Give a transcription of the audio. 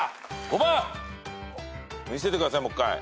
５番見せてください